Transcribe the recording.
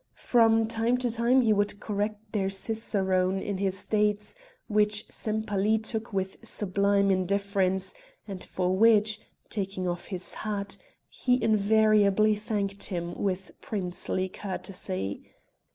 From time to time he would correct their cicerone in his dates, which Sempaly took with sublime indifference and for which taking off his hat he invariably thanked him with princely courtesy.